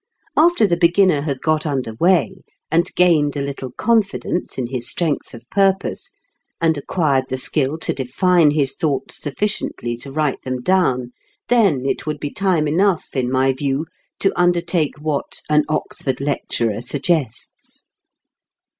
After the beginner has got under way, and gained a little confidence in his strength of purpose, and acquired the skill to define his thoughts sufficiently to write them down then it would be time enough, in my view, to undertake what "An Oxford Lecturer" suggests.